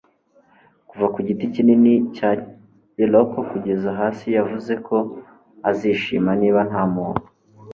kuva ku giti kinini cya iroko kugeza hasi yavuze ko azishima niba ntamuntu